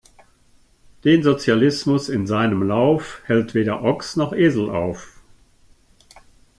Den Sozialismus in seinem Lauf, hält weder Ochs' noch Esel auf!